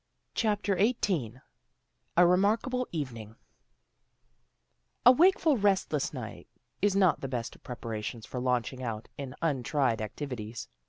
CHAPTER XVIII A REMARKABLE EVENING A WAKEFUL restless night is not the best of preparations for launching out in untried activities.